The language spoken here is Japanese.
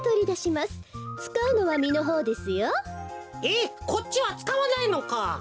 えっこっちはつかわないのか。